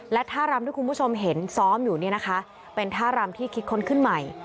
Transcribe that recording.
และท่ารำที่คุณผู้ชมเห็นซ้อมอยู่เนี่ยนะคะเป็นท่ารำที่คิดค้นขึ้นใหม่